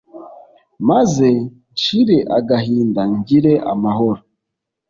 maze nshire agahinda, ngire amahoro